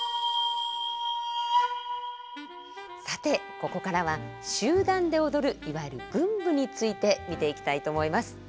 さてここからは集団で踊るいわゆる群舞について見ていきたいと思います。